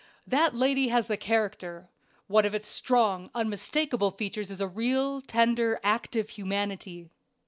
That lady has a character; one of its strong, unmistakable features is a real, tender, active humanity.